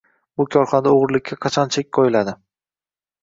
Bu korxonada o`g`irlikka qachon chek qo`yiladi